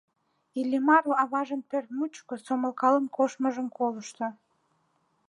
Иллимар аважын пӧрт мучко сомылкалан коштмыжым колышто.